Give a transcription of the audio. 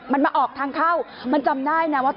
มันมาออกทางเข้ามันจำได้นะว่า